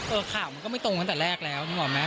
ข่าวมันก็ไม่ตรงตั้งแต่แรกแล้วนึกออกไหม